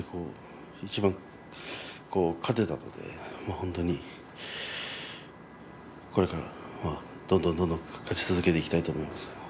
一番勝てたので、本当にこれからどんどんどんどん勝ち続けていきたいと思います。